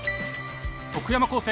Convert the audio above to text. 徳山高専